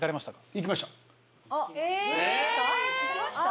行きました。